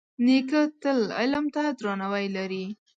نیکه تل علم ته درناوی لري.